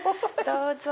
どうぞ。